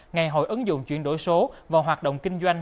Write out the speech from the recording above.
ngày hội ấn dụng chuyển đổi số và hoạt động kinh doanh